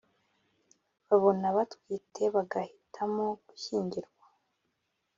babona batwite bagahitamo gushyingirwa